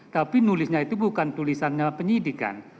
tapi nulisnya itu bukan tulisannya penyidik kan